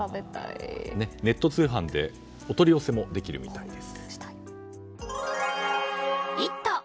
ネット通販でお取り寄せもできるみたいです。